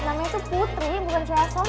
namanya tuh putri bukan cewek asongan